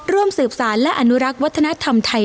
ร่วมสืบสารและอนุรักษ์วัฒนธรรมไทย